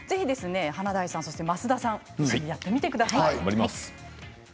華大さん、増田さん一緒にやってみてください。